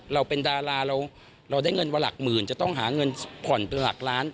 เราเป็นดาราเราได้เงินมาหลักหมื่นจะต้องหาเงินผ่อนเป็นหลักล้าน